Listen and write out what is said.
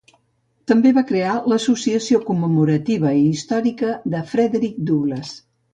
També va crear l'associació commemorativa i històrica de Frederick Douglass.